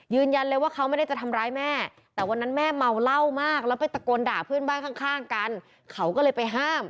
ยืนยันเลยว่าเขาไม่ได้จะทำร้ายแม่แต่วันนั้นแม่เมาเหล้ามากแล้วไปตะโกนด่าเพื่อนบ้านข้างกันเขาก็เลยไปห้าม